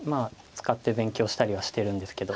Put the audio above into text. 使って勉強したりはしているんですけど。